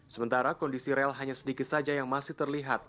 sementara kondisi rel hanya sedikit saja yang masih terlihat